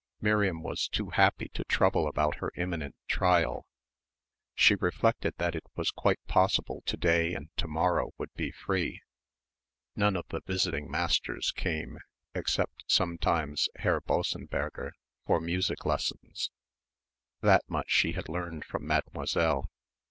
Miriam was too happy to trouble about her imminent trial. She reflected that it was quite possible to day and to morrow would be free. None of the visiting masters came, except, sometimes, Herr Bossenberger for music lessons that much she had learned from Mademoiselle.